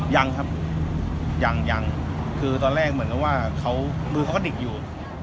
ยังครับยังยังคือตอนแรกเหมือนกับว่าเขามือเขาก็ดิกอยู่